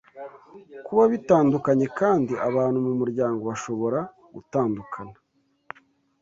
kuba bitandukanye kandi abantu mumuryango bashobora gutandukana